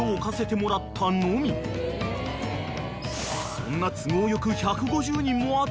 ［そんな都合良く］